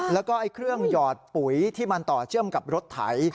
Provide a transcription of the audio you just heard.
แล้วก็เครื่องหยอดปุ๋ยที่มันต่อเชื่อมกับรถไถ